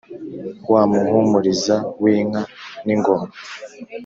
Wa Muhumuriza w’inka n’ingoma,